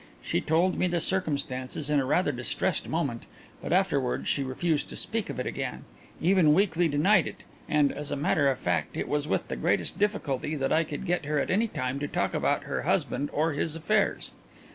She told me the circumstances in a rather distressed moment, but afterwards she refused to speak of it again even weakly denied it and, as a matter of fact, it was with the greatest difficulty that I could get her at any time to talk about her husband or his affairs.